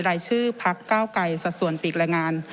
รายชื่อพักเก้าไกรสัดส่วนปีกแรงงาน